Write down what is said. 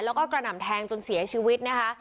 แล้วก็กระหน่ำแทงจนเสียชีวิตนะคะ